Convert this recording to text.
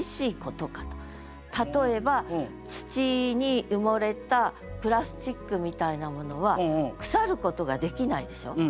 例えば土に埋もれたプラスチックみたいなものは腐ることができないでしょう？